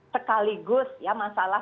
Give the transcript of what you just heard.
sekaligus ya masalah